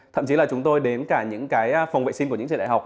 thậm chí là chúng tôi đến cả những cái phòng vệ sinh của những trường đại học